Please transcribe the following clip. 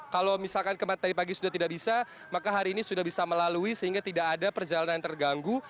kalau misalkan kemarin tadi pagi sudah tidak bisa maka hari ini sudah bisa melalui sehingga tidak ada perjalanan terganggu